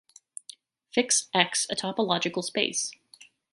Fix "X" a topological space.